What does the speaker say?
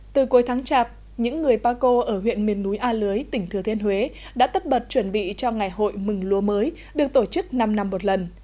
từ cuối tháng chạp những người paco ở huyện miền núi a lưới tỉnh thừa thiên huế đã tất bật chuẩn bị cho ngày hội mừng lúa mới được tổ chức năm năm một lần